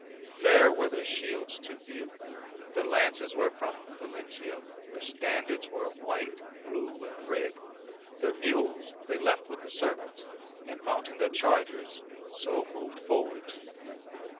Fair were their shields to view, their lances were from Valentia, their standards were of white, blue, and red. Their mules they left with the servants, and, mounting their chargers, so moved forwards.